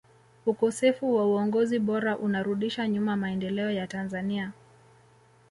ukosefu wa uongozi bora unarudisha nyuma maendeleo ya tanzania